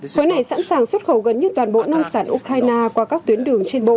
hội này sẵn sàng xuất khẩu gần như toàn bộ nông sản ukraine qua các tuyến đường